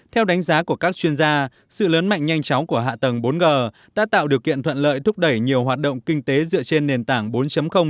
theo đánh giá của các chuyên gia sự lớn mạnh nhanh chóng của hạ tầng bốn g đã tạo điều kiện thuận lợi thúc đẩy nhiều hoạt động kinh tế dựa trên nền tảng bốn